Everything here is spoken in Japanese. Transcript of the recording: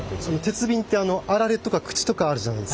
鉄瓶ってあられとか口とかあるじゃないですか。